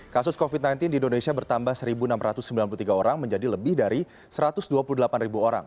kasus covid sembilan belas di indonesia bertambah satu enam ratus sembilan puluh tiga orang menjadi lebih dari satu ratus dua puluh delapan orang